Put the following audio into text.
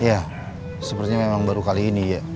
ya sepertinya memang baru kali ini ya